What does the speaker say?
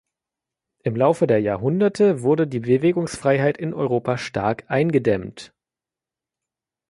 Im Laufe der Jahrhunderte wurde die Bewegungsfreiheit in Europa stark eingedämmt.